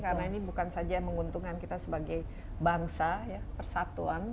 karena ini bukan saja menguntungkan kita sebagai bangsa ya persatuan